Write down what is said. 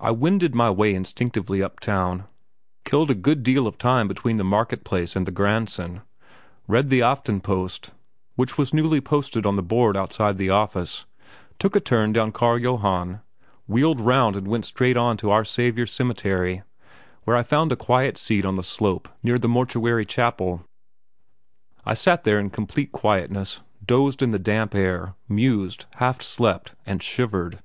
I wended my way instinctively up town, killed a good deal of time between the marketplace and the Graendsen, read the Aftenpost, which was newly posted up on the board outside the office, took a turn down Carl Johann, wheeled round and went straight on to Our Saviour's Cemetery, where I found a quiet seat on the slope near the Mortuary Chapel. I sat there in complete quietness, dozed in the damp air, mused, half slept and shivered.